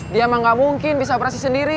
dia mah gak mungkin bisa operasi sendiri